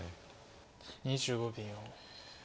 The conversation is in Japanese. ２５秒。